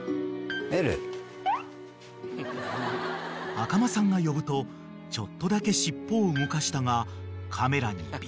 ［赤間さんが呼ぶとちょっとだけ尻尾を動かしたが］